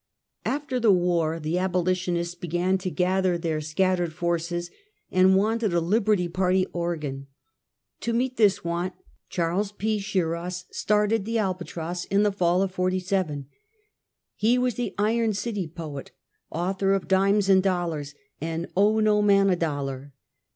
. Aftee the war, abolitionists began to gather their scattered forces and wanted a Liberty Party organ. To meet this want, Charles P. Shiras started the Albatross in the fall of '47. He was the " Iron City Poet," author of " Dimes and Dollars " and " Owe no Man a Dollar."